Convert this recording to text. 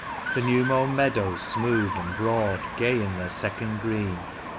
The new mown meadows, smooth and broad, gay in their second green.